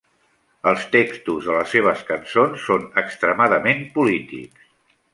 Els textos de les seves cançons són extremadament polítics.